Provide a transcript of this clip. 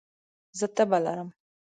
زه تبه لرم